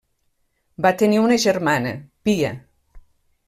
Va tenir una germana, Pia.